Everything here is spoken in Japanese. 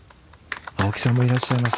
青木さんもいらっしゃいます。